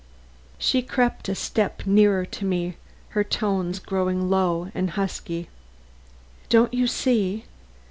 She crept a step nearer to me, her tones growing low and husky. "Don't you see?